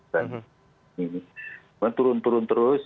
dan ini menurun turun terus